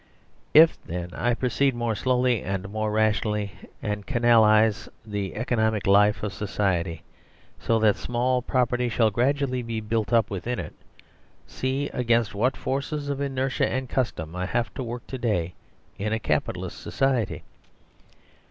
If, then, I proceed more slowly and more rationally and canalise the economic life of society so that small property shall gradually be built up within it, see against what forces of inertia and custom I have to work to day in a Capitalist society